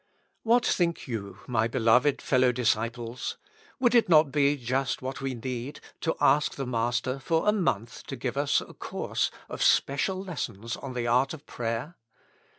What think you, my beloved fellow disciples! would it not be just what we need, to ask the Master for a month to give us a course of special lessons on the art of prayer?